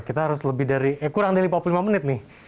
kita harus lebih dari eh kurang dari lima puluh lima menit nih